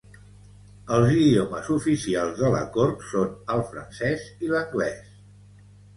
Els idiomes oficials de la Cort són el francès i l'anglès.